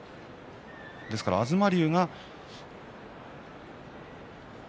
ですから東龍が。